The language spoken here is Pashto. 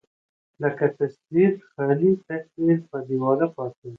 لکه تصوير، خالي تصوير په دېواله پاتې يم